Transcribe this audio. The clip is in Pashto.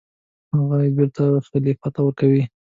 هغه یې بېرته خلیفه ته ورکړې.